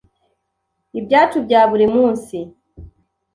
ibyacu bya buri munsi